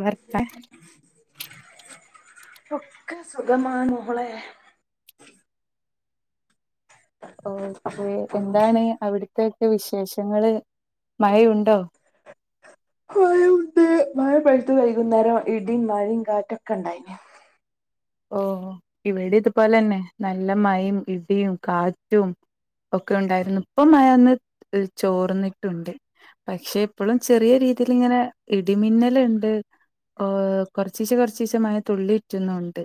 വെർത്ത ഒക്കെ സുഖമാണ് ഓളെ ഒ കെ എന്താണ് അവിടുത്തെ വിശേഷങ്ങള് മഴയുണ്ടോ? മഴ ഉണ്ട് മഴ പഴുത്ത വൈകുന്നേരം ഇടിം മഴയും കാറ്റൊക്കെ ഇണ്ടായിന് ഓ ഇവിടെ ഇതുപോലെന്നെ നല്ല മയും ഇടിയും കാറ്റും ഒക്കെ ഉണ്ടായിരുന്നു. ഇപ്പൊ മഴ ഒന്ന് ചോർന്നിട്ടുണ്ട്. പക്ഷെ ഇപ്പോഴും ചെറിയ രീതിൽ ഇങ്ങനെ ഇടിമിന്നലുണ്ട്. ഓ കൊറച്ചീശ കൊറച്ചീശ മഴ തുള്ളിയിറ്റുന്നു ഉണ്ട്.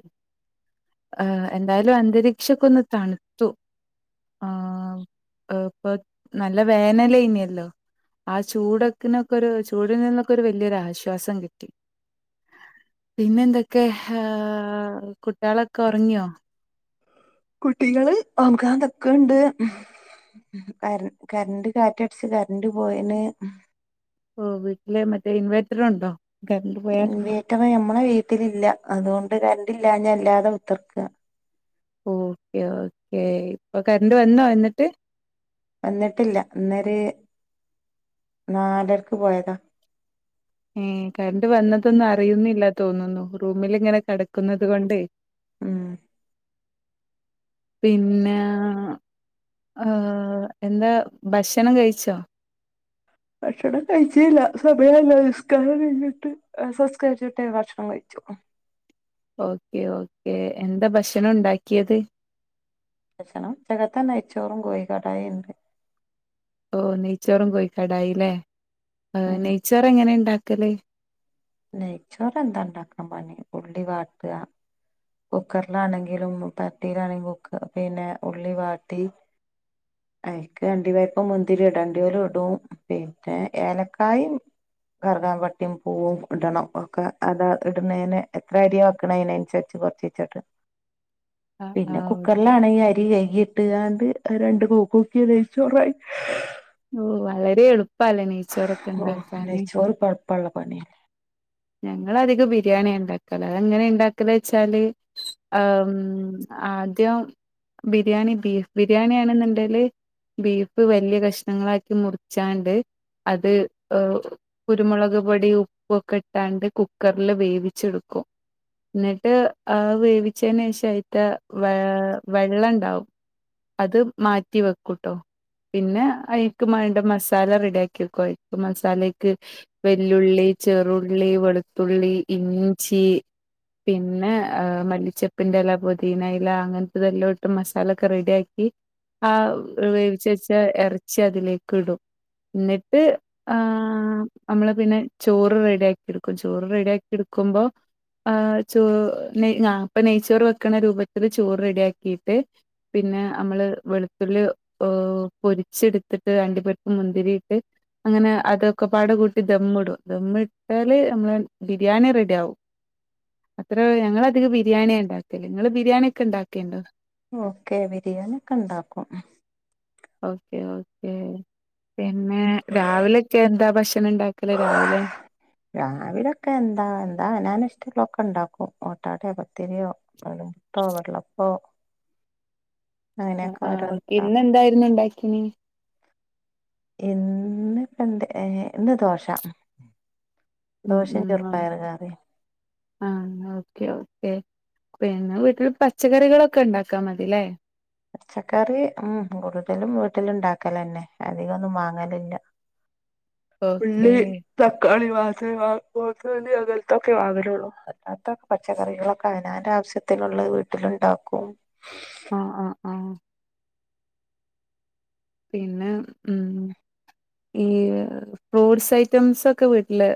ആ എന്തായാലും അന്തരീക്ഷോക്കെ ഒന്ന് തണുത്തു ആ ഇപ്പൊ നല്ല വേനലേഞ്ഞല്ലോ ആ ചൂടൊക്കിനൊക്കെ ഒരു ചൂടിൽ നിന്നൊക്കെ ഒരു വല്യയൊരു ആശ്വാസം കിട്ടി പിന്നെ എന്തൊക്കെ ആ കുട്ടേളൊക്കെ ഒറങ്ങിയോ കുട്ടികള് ഒർങ്ങാൻ നിക്കൻട് കര കരണ്ട് കാറ്റടച്ച് കരന്റ് പോയന് ഓ വീട്ടില് മറ്റേ ഇൻവേർറ്റർ ഉണ്ടോ കറണ്ട് പോയാൽ ഇൻവേറ്ററ് അമ്മളെ വീട്ടിലില്ല അതുകൊ ണ്ട് കറന്റിലാഞ്ഞ ഇല്ലാതെ കുത്തിർക്ക ഓക്കെ ഓക്കെ ഇപ്പൊ കറണ്ട് വന്നോ എന്നിട്ട് വന്നിട്ടില്ല ഇന്നേരേ നാലർക്ക് പോയതാ ഏ കറന്റ് വന്നതൊന്നും അറിയുന്നില്ല തോന്നുന്നു റൂമിൽഇങ്ങനെ കിടക്കുന്നത് കൊണ്ടേ ഉം പിന്നെ ഏ എന്താ ഭക്ഷണം കഴിച്ചോ ഭക്ഷണം കഴിച്ചില്ല സമയല്ലസ്കാരഴിഞ്ഞിട്ട് എസസ്കരിച്ചിട്ടേ ഭക്ഷണം കഴിച്ചു ഓക്കെ ഓക്കെ എന്താ ഭക്ഷണം ഉണ്ടാക്കിയത് ഭക്ഷണം ച്ചഗത്തെ നെയ്യ്ച്ചോറും കോയിക്കാടായിയുണ്ട് ഓ നെയ്ച്ചോറും കോയിക്കടായിയൂല്ലേ എ ഉം നെയ്ച്ചോറ് എങ്ങനെ ണ്ടാ ക്കല് നെയ്ച്ചോറ് എന്താ ണ്ടാക്കാൻ പണി ഉള്ളി വാട്ട്അ കുക്കറിലാണെങ്കിലും പ് തട്ടിയിലാണെങ്കി കുക്ക പിന്നെ ഉള്ളി വാട്ടി അയിൽക്ക് അണ്ടിവരിപ്പും മുന്തിരി ഇടണ്ടിയോല് ഇടും പിന്നെ ഏലക്കായും കറുകാം പട്ടിം പൂവും ഇടണം ഒക്കെ അത് ഇടുന്നയിന് എത്ര അരി വക്ക്‌ണയിനൻസരിച്ച് കൊറച്ചിച്ചട ആ ആ പിന്നെ ഓക്കെ കുക്കറിലാണെങ്കി അരി കൈ ലിട്ട് ആണ്ട് രണ്ട് കൂക് കൂക്കിയാ നെയ്ച്ചോറായി ഓ വളരെ എളു പല നെയ്ച്ചോറൊക്കെ ഉണ്ടാക്കാന് പള്ളപ്പണി ഞങ്ങളധികം ബിരിയാണി യാണ്ടാക്കല് അത് എങ്ങനെണ്ടാക്കല് വെച്ചാല് ആ ഉം ആദ്യം ബിരിയാണി ബീഫ് ബിരിയാണിയാണെന്നുണ്ടേല് ബീഫ് വല്യ കഷ്ണങ്ങളാക്കി മുറിച്ചാണ്ട് അത് ഓ കുരുമുളക് പൊടി ഉപ്പൊക്കെ രണ്ട് കുക്കർ ല് വേവിച്ചെടുക്കും ന്നെട്ട് ആ വേവിച്ചയിന് ശേഷം അയ്ത്തെ വെ വെള്ളണ്ടാവും അത് മാറ്റി വെക്കൂട്ടോ പിന്നെ അതിക്ക് മേണ്ട മസാല റെഡിയാക്കിക്കോയിക്ക് മസാലക്ക് വല്ല്യുള്ളി ചെറു ഉള്ളി വെളുത്തുള്ളി ഇഞ്ചി പിന്നെ എ മല്ലിച്ചപ്പിന്റെ ഇല പുദീന ഇല അങ്ങനത്തെതെല്ലു ഇട്ടു മസാലൊക്കെ റെഡിയാക്കി ആ വേവിച്ച് വെച്ചാ ഇറച്ചി അതിലേക്ക് ഇടും ന്നിട്ട് ആ അമ്മള് പിന്നെ ചോറ് റെഡിയാ എടുക്കും ചോറ് റെഡിയാക്കി എടുക്കുമ്പോ ആ ചോ നെയ് ആ പ്പ നെയ്ച്ചോറ് വെക്കണ രൂപത്തിൽ ചോറ് റെഡിയാക്കിയിട്ട് പിന്നെ അമ്മള് വെളുത്തുള്ളി ഓ പൊരിച്ചെടുത്തിട്ട് അണ്ടിപരിപ്പ് മുന്തിരിട്ട് അങ്ങനെ അതൊക്കെ പാടകൂട്ടി ദമ്മിടും ദമ്മി ഏല് അമ്ളെ ബിരിയാണി റെഡിയാവും അത്ര ഞങ്ങള് അധികം ബിരിയാണിയ ഇണ്ടാക്കല് ങ്ങള് ബിരിയാണി ഒക്കെ ണ്ടാക്കേണ്ടോ ഓക്കെ ബിരിയാണി ഒക്കെ ണ്ടാക്കും ഓക്കെ ഓക്കേ പിന്നെ രാവിലെയൊക്കെ എന്താ ഭക്ഷ രാവിലൊക്കെ എന്താ എന്താ അനാന്ഷ് ട്ടിളൊക്കെ ണ്ടാക്കും ഓട്ടാടെ പത്തിരിയോ [unintelligible] വെള്ളപ്പോ അ അങ്ങനെയൊക്കെ ആ ഒ ഓരോന്ന് കെ ഉണ്ടാക്കും ഇന്നെന്തായിരുന്നു ഉണ്ടാ പിന്നെ ഇന്ന്പ്പന്തേ ഇന്ന് ദോശ ദോശയും ചെറുപ്പയറ് കറി ആ ഓക്കെ ഓക്കെ പിന്നെ വീട്ടിൽ പച്ചക്കറികളൊക്കെ ഉണ്ടാക്കാ മതില്ലേ പച്ചക്കറി ഉം കൂടുതലും വീട്ടിലുണ്ടാക്കലന്നെ അധികം ഒന്നും വാങ്ങലില്ല ഓക്കേ ഉള്ളി തക്കാളിയോ [unintelligible] ക്കെ വാങ്ങലുള്ളൂ അതോക്കെ പച്ചക്കറികളൊക്കെ അവനാന്റെ ആവശ്യത്തിനുള്ളത് വീട്ടിലുണ്ടാക്കും ആഹ് ആഹ് ആഹ് പിന്നെ ഉം ഈ ഫ്രൂട്ട്സ് ഐറ്റംസൊക്കെ വീട്ടില്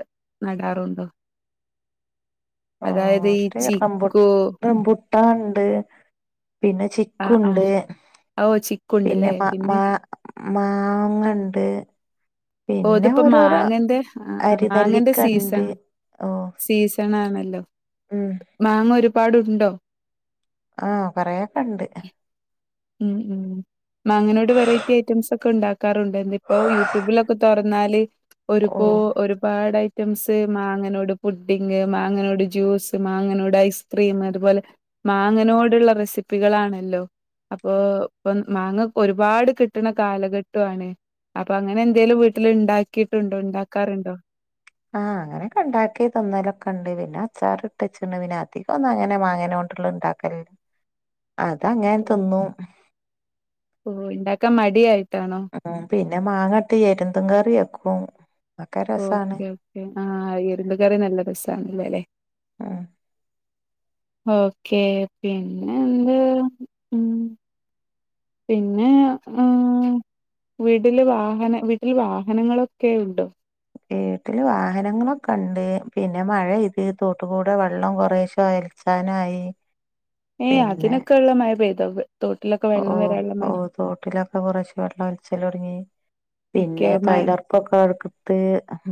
നടാറുണ്ടോ ആ, അതായത് ഈ ചിക്കൂ ട്ടാണ്ട് പിന്നെ ആഹ് ചിക്കുണ്ട് ആഹ് ഓ പിന്നെ ചിക്കുണ്ടല്ലേ മാ മാ മാങ്ങണ്ട് ഓ പിന്നെ ത്പ്പോ ഓരോരോ മാങ്ങന്റെ ആ മാങ്ങന്റെ അരിനെല്ലിക്കണ്ട് സീസൺ ഓ സീസണാണല്ലോ ഉം മാങ്ങ ഒരു പാടുണ്ടോ ആ പറയാ ആണ്ട് ഉം ഉം മാങ്ങനോട് വറൈറ്റി ഐറ്റംസ് ഒക്കെ ഉണ്ടാക്കും ക്കാറുണ്ട് ഇപ്പോ യൂട്യൂബിലൊക്കെ തുറന്നാല് ഓ ഒരുപോ ഒരുപാട് ഐറ്റംസ് മാങ്ങനോട് പുഡിങ് മാങ്ങനോട് ജ്യൂസ് മാങ്ങനോട് ഐസ്ക്രീം അതുപോലെ മാങ്ങനോടുള്ള റെസിപ്പികളാണല്ലോ അപ്പൊ ഇപ്പൊ മാങ്ങ ഒരുപാട് കിട്ട്ണ കാലഘട്ടാണ് അപ്പൊ അങ്ങനെ എന്തേലും വീട്ടിൽ ഉണ്ടാക്കിട്ടുണ്ടോ ഉണ്ടാക്കാറുണ്ടോ ആ അങ്ങനൊക്കെ ഉണ്ടാക്കി തിന്നലൊക്കെ ഉണ്ട് പിന്നെ അച്ചാറിട്ട്ച്ചണ് പിന്നെ അതികം ഒന്നും അങ്ങനെ മാങ്ങനെ കൊണ്ടുള്ള ഇണ്ടാക്കല അതങ്ങനെ ഓ തിന്നും ഓ ഇണ്ടാക്കാൻ മടി ആയി ട്ടാണോ ഉം പിന്നെ മാങ്ങട്ട് എരുന്തും കറി വക്കും ഓക്കെ ഓക്കെ ആ എരുന്ത് കറി നല്ല രസാണല്ലോല്ലേ ഉം ഓക്കെ പിന്നെ എന്ത് ഉം പിന്നെ ആ വീട്ടില് വാഹന വീട്ടിൽ വാഹനങ്ങളൊക്കെ ഉണ്ടോ വീട്ടില് വാഹനങ്ങളൊക്കെണ്ട് പിന്നെ മഴയ്ത് തോട്ടി കൂടെ വെള്ളം കൊറേശോ അയൽച്ചാനായി ഏ അതിനൊക്കെ ഉള്ള മഴ പെയ് [unintelligible] ഓ ഓ തോട്ടിലൊക്കെ കുറച്ച് വെള്ളം ഒൽച്ചലൊടങ്ങി ഒക്കെ പിന്നെ മഴ തൊഴിലൊറപ്പൊക്കെ ത്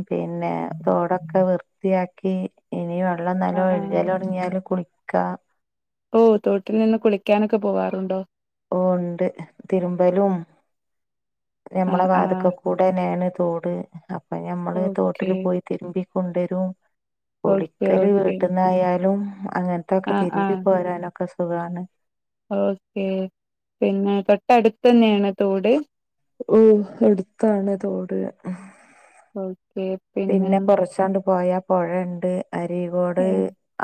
പിന്നെ തോടൊക്കെ വൃത്തിയാക്കി ക്കേ ഇനി വെള്ളം നല്ലോ ആഹ് ഒഴ്കലൊട്ങ്ങിയാലും കുളി ക്ക ഓ തോട്ടിൽ നിന്ന് കുളിക്കാനൊക്കെ പോവാറുണ്ടോ ഉണ്ട് തിരുമ്പലും നമ്മളെ ആഹ് വാതിക്ക ആഹ് കൂടെന്നെയാണ് തോട് അപ്പൊ ഞമ്മള് ഓക്കെ തോട്ടില് പോയി തിരുമ്പി കൊണ്ടരും ഓക്കെ കുളിക്കല് ഓക്കെ വീട്ട്ന്നായാലും അങ്ങനത്തെക്കെ ആഹ് തിരുമ്പി ആഹ് പോരാനൊക്കെ സുഖാണ് ഓക്കെ പിന്നെ തൊട്ടടുത്തന്നെയാണ് തോട് ഓ അടുത്താണ്തോട് ആ ക്കെ പിന്നെ പോയാ പൊഴയൊണ്ട് അരീഗോട്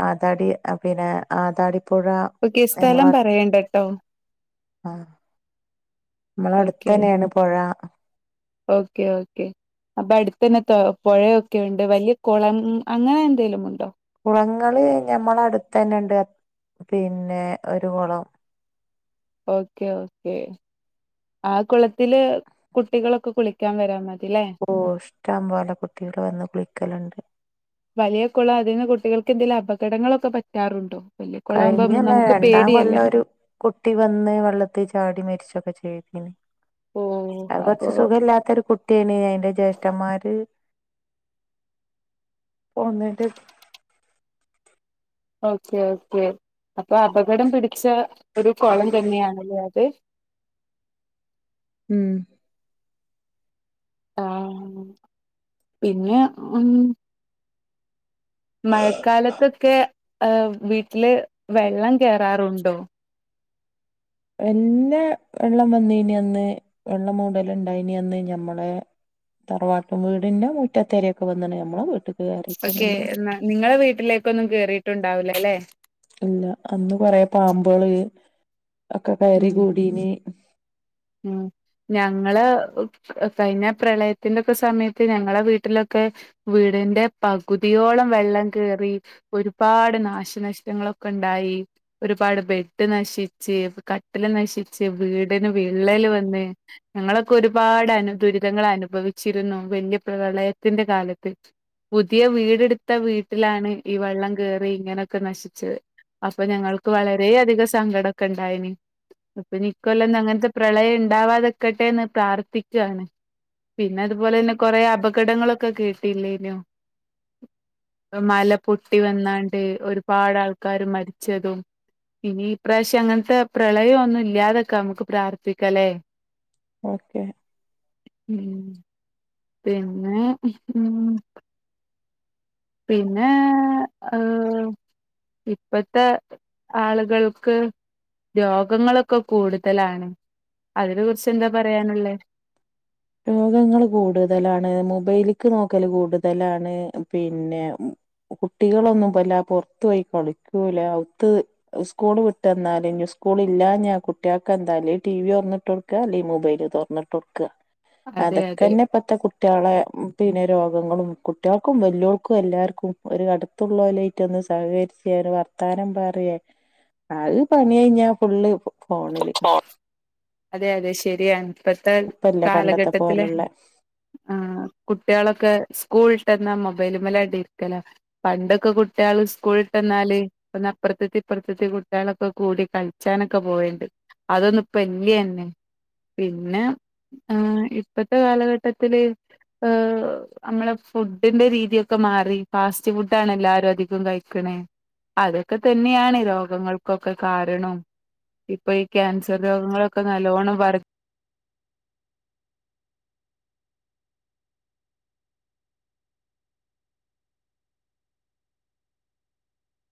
ആ തടി പിന്നെ ആതാടി പൊഴ ഓക്കെ നമ്മടെ സ്ഥലം അടു പറയണ്ടട്ടോ ആ നമ്മടെ ഓക്കെ അടുത്തുതന്നെയാണ് പൊഴ ഓക്കെ ഓക്കെ അപ്പൊ അടുത്ത് തന്നെ തോ പുഴയൊക്കെ ഉണ്ട് വലിയ കുളം അങ്ങനെ എന്തേലും ഉണ്ടോ കുളങ്ങള് ഞമ്മള അടുത്തന്നെണ്ട് പിന്നെ ഒരു കുളം ഓക്കെ ഓക്കെ ആ കുളത്തില് കുട്ടികളൊക്കെ കുളിക്കാൻ വരാൻ മ ഓ ഇഷ്ടം പോലെ കുട്ടിക്കളുവന്ന് കുളിക്കലുണ്ട് വലിയകുളം അതിന്ന് കുട്ടികൾക്ക് എന്തേലും അപകടങ്ങളൊക്കെ പറ്റാറുണ്ടോ വലിയ കുളാകുമ്പോ കഴിഞ്ഞല്ല നമുക്ക് രണ്ടാം കൊല്ലം പേടിയല്ലേ ഒരു കുട്ടി വന്ന് വെള്ളത്തി ചാടി മരിച്ചൊക്കെ ചെയ്തു ഓ [unintelligible] അപ്പൊ അതുകുറച്ച് സുഖവിലാത്തൊരു കുട്ടി [inaudible] ആയിൻ്റെ ജ്യേഷ്ഠന്മാര് പോന്നിട്ട് ഓക്കെ ഓക്കെ അപ്പൊ അപകടം പിടി ച്ച ഒരു കുളം തന്നെയാണല്ലേ അത് മം ആ പിന്നെ ഉം മഴക്കാലത്തൊക്കെ ആഹ് വീട്ടില് വെള്ളം കേറാറുണ്ടോ വല്യ വെള്ളം വന്നീനി അന്ന് വെള്ളം മൂടല ഉണ്ടായിനി അന്ന് ഞമ്മളെ തറവാട്ടും വീടിന്റെ മുറ്റത്തരൊക്കെ വന്നേനെ നമ്മള് വീട്ട ഓക്കെ എന്നാ നിങ്ങളെ വീട്ടിലേക്കൊന്നും കേറിയിട്ടുണ്ടാവൂലേ യല്ലേ ഇല്ല അന്നുകുറെ പാമ്പുകള് ഒക്കെ കയറി കൂടിനി മം ഞങ്ങള് കഴിഞ്ഞ പ്രളയത്തിന്റെയൊക്കെ സമയത്ത് ഞങ്ങളെ വീട്ടിലൊക്കെ വീടിന്റെ പകുതിയോളം വെള്ളം കേറി ഒരുപാട് നാശനഷ്ടങ്ങളൊക്കെ ഇണ്ടായി ഒരുപാട് ബെഡ് നശിച്ച് കട്ടില് നശിച്ച് വീട് വിള്ളല് വന്ന് ഞങ്ങളൊക്കെ ഒരുപാട് അനു ദുരിതങ്ങൾ അനുഭവിച്ചിരുന്നു വല്യ പ്രളയത്തിന്റെ കാലത്ത് പുതിയ വീടെടുത്ത വീട്ടിലാണ് ഈ വെള്ളം കേറി ഇങ്ങനൊക്കെ നശിച്ചത് അപ്പൊ ഞങ്ങൾക്ക് വളര അധികം സങ്കടമൊക്കെ ഉണ്ടായിനി ഇപ്പൊനി ഇക്കൊല്ലം അങ്ങനത്തെ പ്രളയം ഉണ്ടാവാതെക്കട്ടെന്ന് പ്രാർത്ഥിക്കുവാണ് പിന്നെ അതുപോലെ തന്നെ കൊറേ അപകടങ്ങളൊക്കെ കേട്ടില്ലായിനോ മല പൊട്ടി വന്നാണ്ട് ഒരുപാട് ആൾക്കാര് മരിച്ചതും ഇനി ഇപ്രാവശ്യം അങ്ങനത്തെ പ്രളയം ഒന്നും ഇല്ലാതെനിക്കാൻ നമുക്ക് പ്രാർ ത്ഥിക്കാലെ ഓക്കെ മം പിന്നെ മം പിന്നെ ഏ ഇപ്പത്തെ ആളുകൾക്ക് രോഗങ്ങളൊക്കെ കൂടുതലാണ് അതിനെ കുറിച്ച് എന്താ പറയാനുള്ളേ രോഗങ്ങള് കൂടുതലാണ് മൊബൈലിക്ക് നോക്കല് കൂടുതലാണ് പിന്നെ കുട്ടികളൊന്നും പിന്നാ പൊറത്തു പോയി കളിക്കൂല അകത്ത് സ്കൂളുവിട്ടന്നാലും സ്കൂൾ ഇലാഞ്ഞാ കുട്ടികൾക്ക് എന്താല് ടി വി തുറന്നിട്ട് കൊടുക്ക അല്ലെ മൊബൈൽ തുറന്നിട്ട് കൊടുക്ക അതെ അതൊക്കെ അതെ അന്നെ ഇപ്പത്തെ കുട്ടികളെ പിന്നെ രോ ങ്ങളും കുട്ടികൾക്കും വലിയവർക്കും എല്ലാവർക്കും ഒരു അടുത്തുള്ളവരുവായിട്ട് ഒന്ന് സഹകരിച്ച് ഒരു വർത്താനം പറയ അത് പണി കഴിഞ്ഞാ ഫുള്ള് ഫോ അതെ അതെ ശരിയാണ് ഇപ്പോഴത്തെ ഇപ്പല്ല പണ്ടത്തെ കാലഘട്ടത്തിലെ പോലുള്ള ഉം കുട്ടികളൊക്കെ സ്കൂൾ ഇട്ടാ മൊബൈലുമേല് ആട്ട് ഇരിക്കല പണ്ടൊക്കെ കുട്ടികള് സ്കൂൾവിട്ട് വന്നാല് ഒന്ന് അപ്പുറത്തത്തെ ഇപ്പുറത്തത്തെ കുട്ടികളൊക്കെ കൂടി കളിച്ചാനൊക്കെ പോയലിണ്ട് അതൊന്നും ഇപ്പൊ ഇല്യ തന്നെ പിന്നെ ഇപ്പത്തെ കാലഘട്ടത്തില് ഏ നമ്മളെ ഫുഡിന്റെ രീതിയൊക്കെ മാറി ഫാസ്റ്റ് ഫുഡാണ് എല്ലാരും അധികം കഴിക്കണേ അതൊക്കെ തന്നെയാണ് രോഗങ്ങൾക്കൊക്കെ കാരണോ ഇപ്പൊ ഈ ക്യാൻസർ രോഗങ്ങളൊക്കെ നല്ലോണം വ